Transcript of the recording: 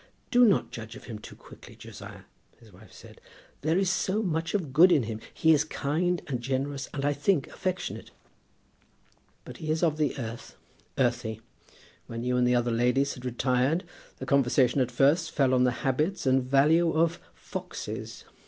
"Do not judge of him too quickly, Josiah," his wife said. "There is so much of good in him! He is kind, and generous, and I think affectionate." "But he is of the earth, earthy. When you and the other ladies had retired, the conversation at first fell on the habits and value of foxes.